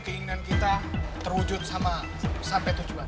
keinginan kita terwujud sampai tujuan